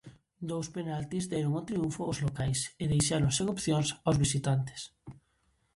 Dous penaltis deron o triunfo aos locais e deixaron sen opcións aos visitantes.